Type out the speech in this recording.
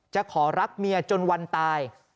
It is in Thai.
จะขอรักเมียจนวันตาย